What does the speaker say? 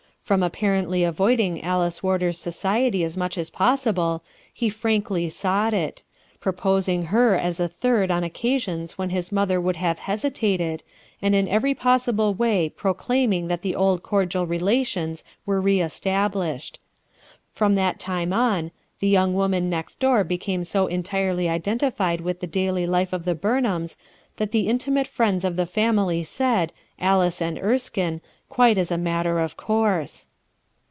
From apparently avoiding Alice Warder's society as much as possible, he frankly sought it; pro posing her as a third on occasions when his mother would have hesitated, and in every possible way proclaiming that the old cordial relations were reestablished. From that time on, the young woman next door became so entirely identified with the daily life of the Burnhama that the intimate friends of the 74 RUTH ERSKINE'S SON family said "Alice and Erskiue," quite as a matter of course.